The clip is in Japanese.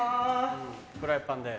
フライパンで。